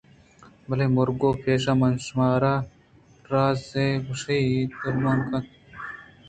بلے مرگ ءَ پیش من شُمارا رازئے ءِگوٛشگ ءَ دلمانگاں